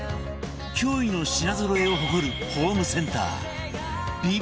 驚異の品ぞろえを誇るホームセンタービバホームに